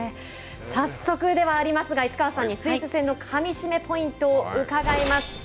早速ではありますが市川さんにスイス戦のかみしめポイントをお伺います。